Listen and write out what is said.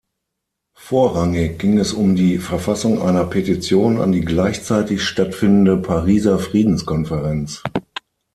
Vorrangig ging es um die Verfassung einer Petition an die gleichzeitig stattfindende Pariser Friedenskonferenz.